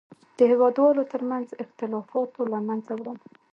د هېوادوالو تر منځ اختلافاتو له منځه وړل.